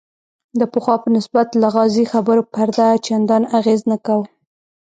د پخوا په نسبت لغازي خبرو پر ده چندان اغېز نه کاوه.